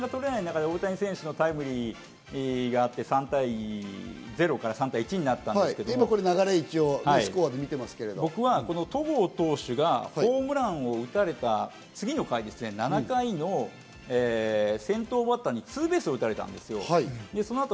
なかなか点が取れない中で、大谷選手のタイムリーがあって、３対０から３対１になったんですけど、僕は戸郷投手がホームランを打たれた次の回、７回の先頭バッターにツーベースを打たれたんですよ。